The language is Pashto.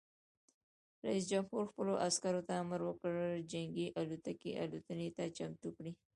رئیس جمهور خپلو عسکرو ته امر وکړ؛ جنګي الوتکې الوتنې ته چمتو کړئ!